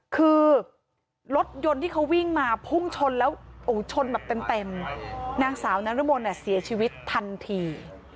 คือรถยนต์ที่เขาวิ่งมาพุ่งชนแล้วชนแบบเต็มนางสาวนรมนเสียชีวิตทันที